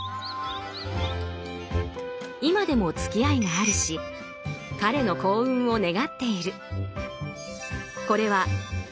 今でもつきあいがあるし彼の幸運を願っている。